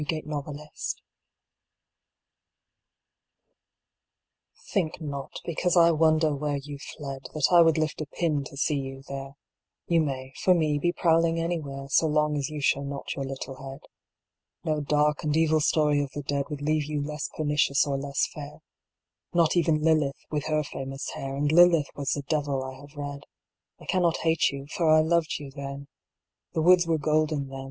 Another Dark Lady Think not, because I wonder where you fled, That I would lift a pin to see you there; You may, for me, be prowling anywhere, So long as you show not your little head: No dark and evil story of the dead Would leave you less pernicious or less fair Not even Lilith, with her famous hair; And Lilith was the devil, I have read. I cannot hate you, for I loved you then. The woods were golden then.